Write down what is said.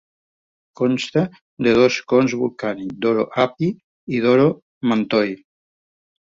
Consta de dos cons volcànics, Doro Api i Doro Mantoi.